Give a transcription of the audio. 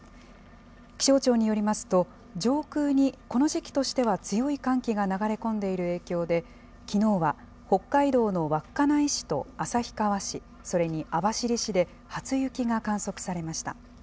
気象庁によりますと、上空にこの時期としては強い寒気が流れ込んでいる影響で、きのうはほっかいどうの稚内市と旭川市、それに網走市で、初雪が観測されました。